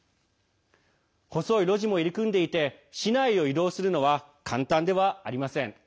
細い路地も入り組んでいて市内を移動するのは簡単ではありません。